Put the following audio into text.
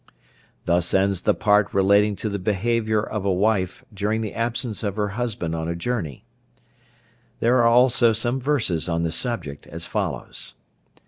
Thus ends the part relating to the behaviour of a wife during the absence of her husband on a journey. There are also some verses on the subject as follows.